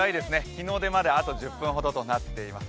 日の出まで、あと１０分ほどとなっています。